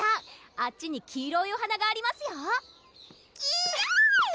あっちに黄色いお花がありますよきいろ！